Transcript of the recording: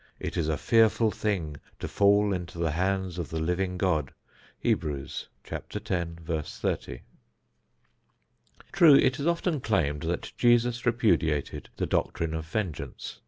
... It is a fearful thing to fall into the hands of the living God. Hebrews 10;30. True it is often claimed that Jesus repudiated the doctrine of vengeance.